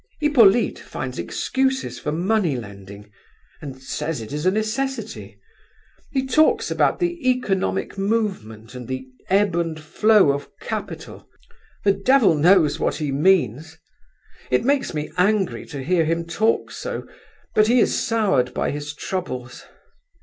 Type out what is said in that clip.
Hippolyte finds excuses for money lending, and says it is a necessity. He talks about the economic movement, and the ebb and flow of capital; the devil knows what he means. It makes me angry to hear him talk so, but he is soured by his troubles.